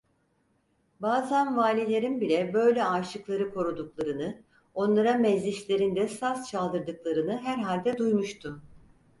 Bazan valilerin bile böyle aşıkları koruduklarını, onlara meclislerinde saz çaldırdıklarını herhalde duymuştu.